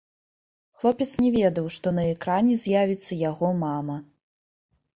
Хлопец не ведаў, што на экране з'явіцца яго мама.